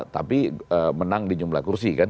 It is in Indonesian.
tapi menang di jumlah kursi kan